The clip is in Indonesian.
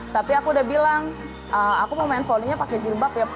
tapi aku udah bilang aku mau main volinya pakai jilbab ya pak gak mau dilepas